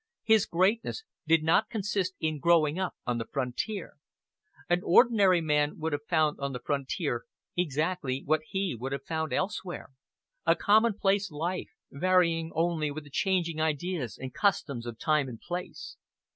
His greatness did not consist in growing up on the frontier. An ordinary man would have found on the frontier exactly what he would have found elsewhere a commonplace life, varying only with the changing ideas and customs of time and place.